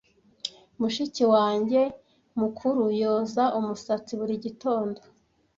Mushiki wanjye mukuru yoza umusatsi buri gitondo.